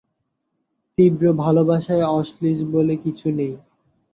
তীব্র ভালোবাসায় অশ্লীল বলে কিছু নেই।